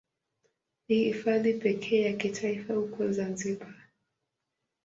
Ni Hifadhi pekee ya kitaifa huko Zanzibar.